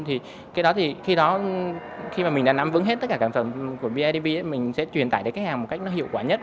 thì khi đó thì khi mà mình đã nắm vững hết tất cả các sản phẩm của bidp mình sẽ truyền tải đến khách hàng một cách nó hiệu quả nhất